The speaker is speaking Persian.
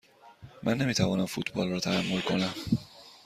من نمی توانم فوتبال را تحمل کنم.